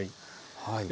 はい。